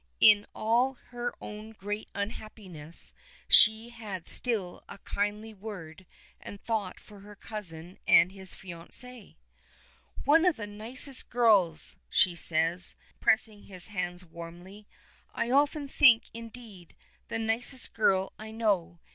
In all her own great unhappiness she had still a kindly word and thought for her cousin and his fiancée. "One of the nicest girls," she says, pressing his hands warmly. "I often think, indeed, the nicest girl I know.